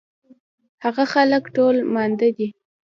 هغه خلک ټول ماندۀ دي